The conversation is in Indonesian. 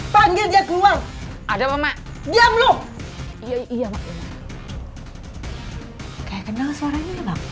panggil dia keluar ada apa mak diam loh iya iya